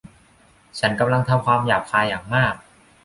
ฉันกำลังทำความหยาบคายอย่างมาก